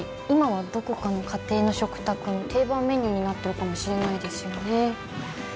今はどこかの家庭の食卓の定番メニューになってるかもしれないですよね